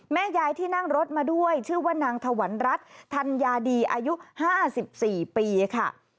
แม่ยายที่นั่งรถมาด้วยชื่อว่านางถวันรัฐธัญญาดีอายุ๕๔ปีค่ะ